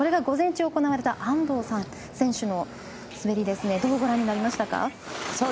午前中行われた安藤選手の滑りどうご覧になりましたか？